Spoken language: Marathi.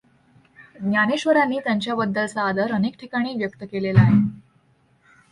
ज्ञानेश्वरांनी त्यांच्याबद्दलचा आदर अनेक ठिकाणी व्यक्त केलेला आहे.